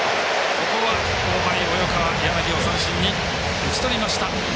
ここは、後輩の及川柳を三振に打ち取りました。